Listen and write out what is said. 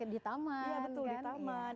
iya di taman